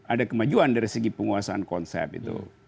ada kemajuan dari segi penguasaan konsep itu